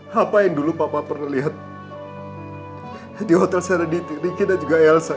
sampai jumpa di video selanjutnya